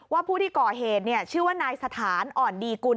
ผู้ที่ก่อเหตุชื่อว่านายสถานอ่อนดีกุล